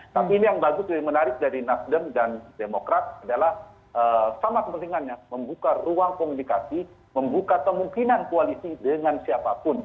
tapi ini yang bagus lebih menarik dari nasdem dan demokrat adalah sama kepentingannya membuka ruang komunikasi membuka kemungkinan koalisi dengan siapapun